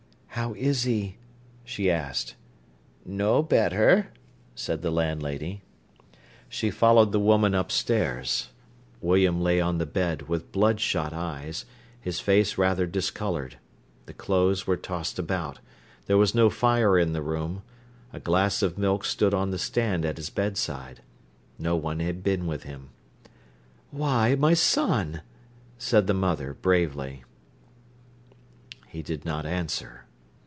"How is he?" she asked. "No better," said the landlady. She followed the woman upstairs. William lay on the bed, with bloodshot eyes, his face rather discoloured. The clothes were tossed about, there was no fire in the room, a glass of milk stood on the stand at his bedside. No one had been with him. "Why, my son!" said the mother bravely. He did not answer.